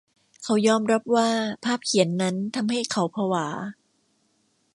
เขายอมรับว่าภาพเขียนนั้นทำให้เขาผวา